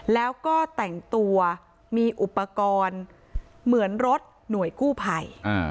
แล้วก็แต่งตัวมีอุปกรณ์เหมือนรถหน่วยกู้ภัย